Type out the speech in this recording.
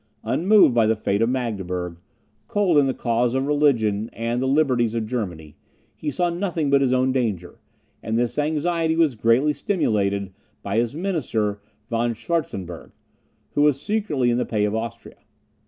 Unmoved by the fate of Magdeburg, cold in the cause of religion and the liberties of Germany, he saw nothing but his own danger; and this anxiety was greatly stimulated by his minister Von Schwartzenburgh, who was secretly in the pay of Austria.